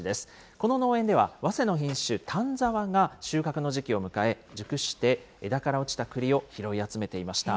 この農園では、わせの品種、丹沢が収穫の時期を迎え、熟して枝から落ちた栗を拾い集めていました。